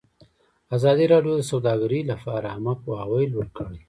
ازادي راډیو د سوداګري لپاره عامه پوهاوي لوړ کړی.